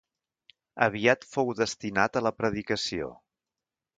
Aviat fou destinat a la predicació.